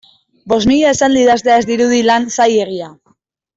Bost mila esaldi idaztea ez dirudi lan zailegia.